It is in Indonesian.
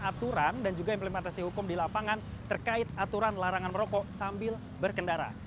aturan dan juga implementasi hukum di lapangan terkait aturan larangan merokok sambil berkendara